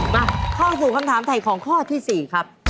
มาเข้าสู่คำถามถ่ายของข้อที่๔ครับ